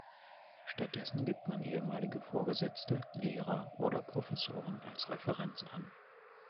Stattdessen gibt man ehemalige Vorgesetzte, Lehrer oder Professoren als Referenz an.